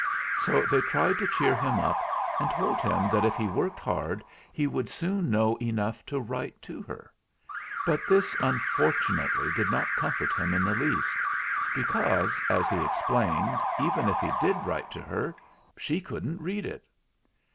So they tried to cheer him up and told him that if he worked hard he would soon know enough to write to her. But this unfortunately did not comfort him in the least ; because, as he explained, even if he did write to her she couldn't read it.